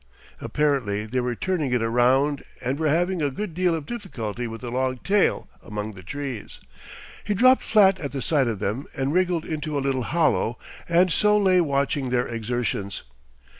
Apparently they were turning it round and were having a good deal of difficulty with the long tail among the trees. He dropped flat at the sight of them and wriggled into a little hollow, and so lay watching their exertions.